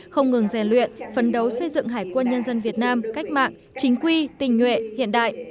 không ngừng rèn luyện phấn đấu xây dựng hải quân nhân dân việt nam cách mạng chính quy tình nhuệ hiện đại